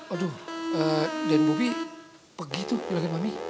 aduh den bobi pergi tuh julukan mami